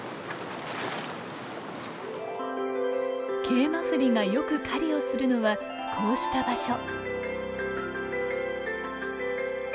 ケイマフリがよく狩りをするのはこうした場所。